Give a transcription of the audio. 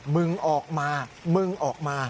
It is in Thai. มึงออกมามึงออกมา